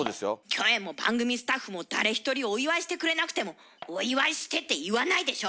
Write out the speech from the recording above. キョエも番組スタッフも誰一人お祝いしてくれなくても「お祝いして」って言わないでしょ？